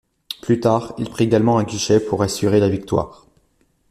Plus tard, il prit également un guichet pour assurer la victoire.